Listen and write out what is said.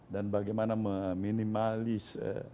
dan bagaimana meminimalis sedemikian rupa